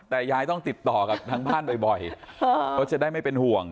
แต่ยายต้องติดต่อกับทางบ้านบ่อยเขาจะได้ไม่เป็นห่วง